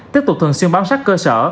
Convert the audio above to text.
tiếp tục thường xuyên báo sát cơ sở